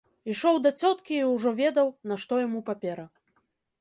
Ішоў да цёткі і ўжо ведаў, нашто яму папера.